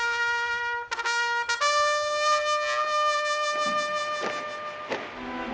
aku akan menunjukkan bahwa aku pasti bisa